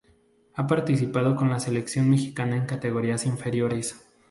Ha participado con la Selección mexicana en categorías inferiores.